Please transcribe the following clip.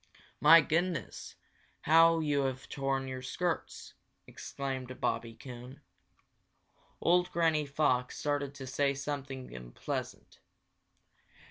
"My goodness, how you have torn your skirts!" exclaimed Bobby Coon. Old Granny Fox started to say something unpleasant.